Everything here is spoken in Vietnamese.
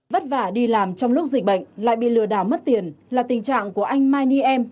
vất vả đi làm trong lúc dịch bệnh lại bị lừa đảo mất tiền là tình trạng của anh mainey em